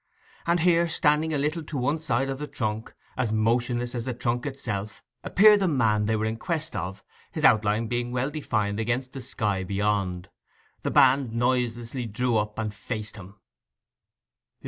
And here, standing a little to one side of the trunk, as motionless as the trunk itself; appeared the man they were in quest of; his outline being well defined against the sky beyond. The band noiselessly drew up and faced him.